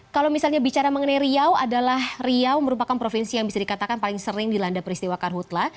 kalau misalnya bicara mengenai riau adalah riau merupakan provinsi yang bisa dikatakan paling sering dilanda peristiwa karhutlah